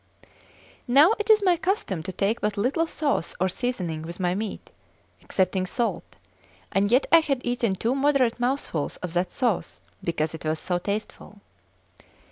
Now it is my custom to take but little sauce or seasoning with my meat, excepting salt; and yet I had eaten two moderate mouthfuls of that sauce because it was so tasteful.